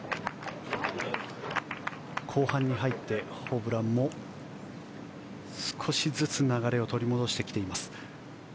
後半に入ってホブランも少しずつ流れを取り戻してきています。